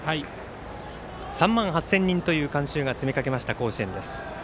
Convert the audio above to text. ３万８０００人という観衆が詰めかけました甲子園です。